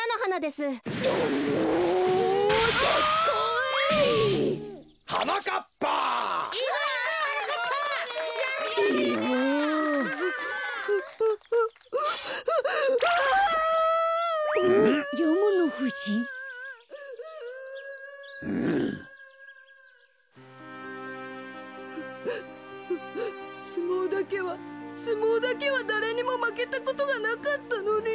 すもうだけはすもうだけはだれにもまけたことがなかったのに。